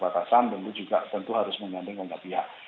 dan itu juga tentu harus mengandung oleh pihak